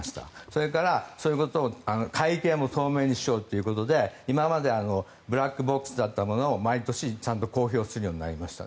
それから会計も透明にしようということで今までブラックボックスだったものを毎年ちゃんと公表するようになりました。